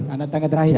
anak tangga terakhir ya